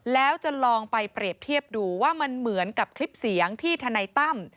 แล้วจะลองไปเปรียบเทียบดูว่ามันเหมือนกับคลิปเสียงที่ทนายตั้ม